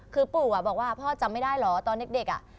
คือปู่นรอดบอกว่าพ่อจำไม่ได้หรอตอนเด็กใส่ตีละนาด